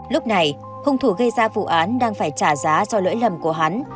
lúc này hung thủ gây ra vụ án đang phải trả giá cho lỗi lầm của hắn